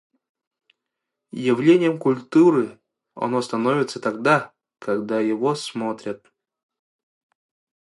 Явлением культуры оно становится тогда, когда его смотрят.